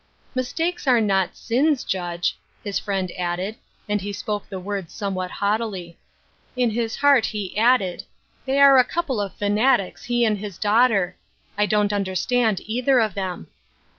"" Mistakes are not sms, Judge," his friend added, and he spoke the words somewhat haugjh From Different StandpomU. 103 tily. In his heart he added :" They are a couple of fanatics, he and his daughter. I don't un derstand either of them."